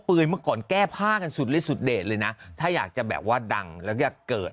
เมื่อก่อนแก้ผ้ากันสุดฤทธสุดเด็ดเลยนะถ้าอยากจะแบบว่าดังแล้วก็เกิด